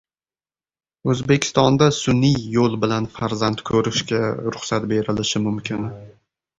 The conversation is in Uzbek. O‘zbekistonda sun’iy yo‘l bilan farzand ko‘rishga ruxsat berilishi mumkin